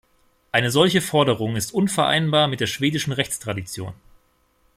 Eine solche Forderung ist unvereinbar mit der schwedischen Rechtstradition.